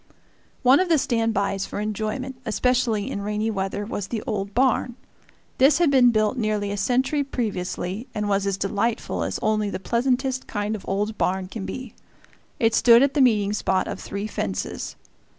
One of the stand bys for enjoyment, especially in rainy weather, was the old barn. This had been built nearly a century previously, and was as delightful as only the pleasantest kind of old barn can be. It stood at the meeting spot of three fences.